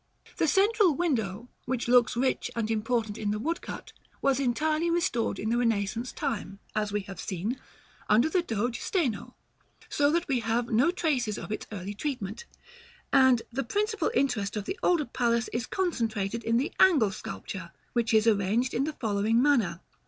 The central window, which looks rich and important in the woodcut, was entirely restored in the Renaissance time, as we have seen, under the Doge Steno; so that we have no traces of its early treatment; and the principal interest of the older palace is concentrated in the angle sculpture, which is arranged in the following manner.